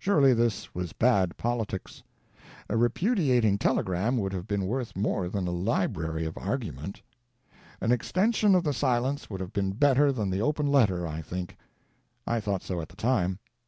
Surely, this was bad politics. A repudiating telegram would have been worth more than a library of argument. An extension of the silence would have been better than the Open Letter, I think. I thought so at the time.